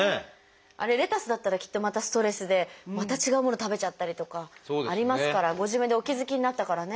あれレタスだったらきっとまたストレスでまた違うもの食べちゃったりとかありますからご自分でお気付きになったからね。